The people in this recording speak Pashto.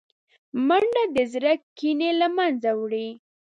منډه د زړه کینې له منځه وړي